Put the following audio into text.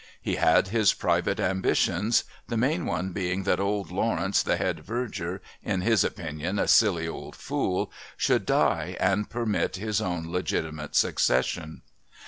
He had his private ambitions, the main one being that old Lawrence, the head Verger, in his opinion a silly old fool, should die and permit his own legitimate succession.